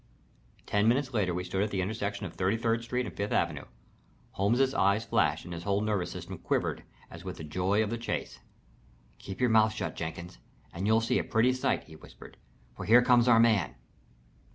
Ten minutes later we stood at the intersection of Thirty third Street and Fifth Avenue. Holmes's eyes flashed and his whole nervous system quivered as with the joy of the chase. "Keep your mouth shut, Jenkins, and you'll see a pretty sight," he whispered, "for here comes our man."